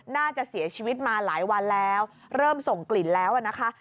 น่าจะเสียชีวิตมาหลายวันแล้วเริ่มส่งกลิ่นแล้วนะคะ